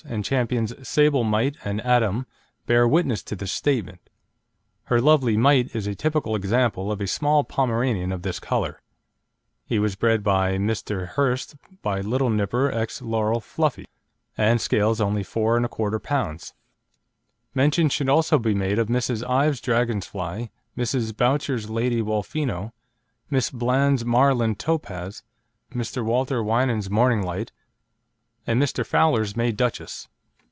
and Champions Sable Mite and Atom bear witness to this statement. Her lovely Mite is a typical example of a small Pomeranian of this colour. He was bred by Mr. Hirst, by Little Nipper ex Laurel Fluffie, and scales only 4 1/4 lb. Mention should also be made of Miss Ives' Dragon Fly, Mrs. Boutcher's Lady Wolfino, Miss Bland's Marland Topaz, Mr. Walter Winans' Morning Light, and Mr. Fowler's May Duchess.